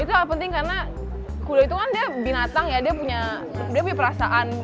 itu itu sangat penting karena kuda itu kan dia binatang ya dia punya perasaan